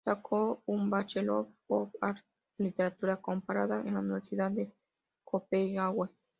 Sacó un Bachelor of Arts en Literatura Comparada en la Universidad de Copenhague.